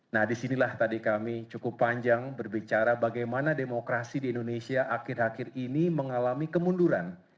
nah disinilah tadi kami cukup panjang berbicara bagaimana demokrasi di indonesia akhir akhir ini mengalami kemunduran